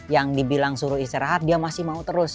yang dibilang suruh istirahat dia masih mau terus